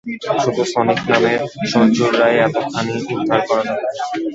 শুধু সনিক নামের সজারুরই এতখানি উদ্ধার দরকার।